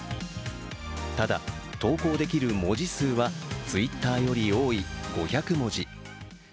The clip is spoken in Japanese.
ただ、投稿できる文字数はＴｗｉｔｔｅｒより多い５００文字。